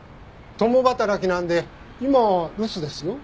共働きなので今は留守ですよ。